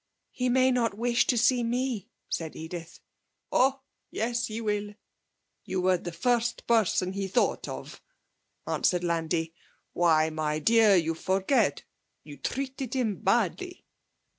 'He may not wish to see me,' said Edith. 'Oh yes, he will. You were the first person he thought of,' answered Landi. 'Why, my dear, you forget you treated him badly!'